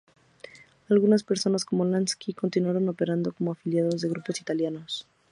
Algunas personas, como Lansky, continuaron operando como afiliados de grupos italianos.